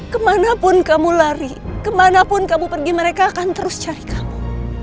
kemanapun kamu lari kemanapun kamu pergi mereka akan terus cari kamu